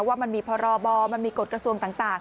ว่ามันมีพรบมันมีกฎกระทรวงต่าง